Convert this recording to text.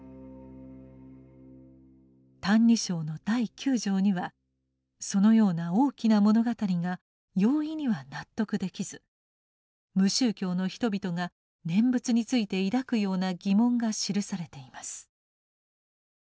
「歎異抄」の第九条にはそのような「大きな物語」が容易には納得できず無宗教の人々が念仏について抱くような疑問が記されています。